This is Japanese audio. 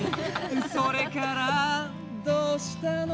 「それからどうしたの？」